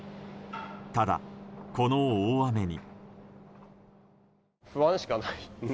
ただ、この大雨に。